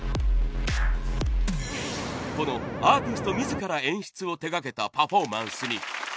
このアーティスト自ら演出を手がけたパフォーマンスに。